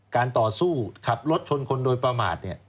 ต่อสู้ขับรถชนคนโดยประมาท